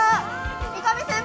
三上先輩